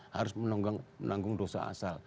harus menanggung dosa asal